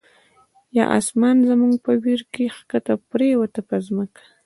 یا آسمان زمونږ په ویر کی، ښکته پریوته په ځمکه